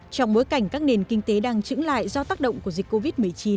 trong bối cảnh các nền kinh tế đang trứng lại do tác động của dịch covid một mươi chín